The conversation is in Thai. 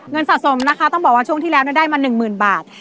เงินสะสมนะคะต้องบอกว่าช่วงที่แล้วได้มา๑๐๐๐บาท